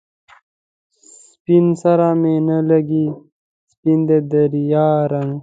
سپين سره می نه لګي، سپین دی د ریا رنګ